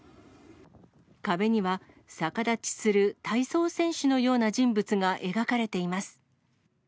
壁には、逆立ちする体操選手のような人物が描かれています。